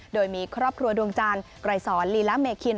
โดยมีครอบครัวดวงจานไกรศรลีละเมฆิน